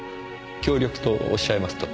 協力とおっしゃいますと？